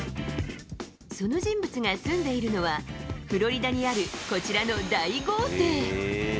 その人物が住んでいるのが、フロリダにあるこちらの大豪邸。